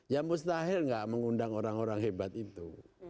ya mustahil nggak mengundang orang orang hebat itu